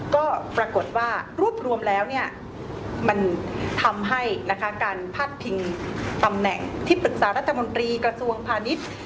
ก็ปรากฏว่ารวบรวมแล้วมันทำให้การพาดพิงตำแหน่งที่ปรึกษารัฐมนตรีกระทรวงพาณิชย์